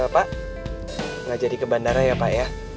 eee pak ngajari ke bandara ya pak ya